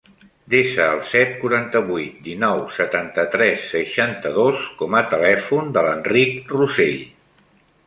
Desa el set, quaranta-vuit, dinou, setanta-tres, seixanta-dos com a telèfon de l'Enric Rossell.